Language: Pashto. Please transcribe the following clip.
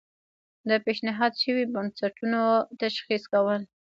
د پیشنهاد شویو بستونو تشخیص کول.